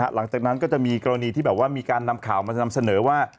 หลังจากนั้นก็จะมีกรณีที่แบบว่ามีการนำข่าวมานำเสนอว่า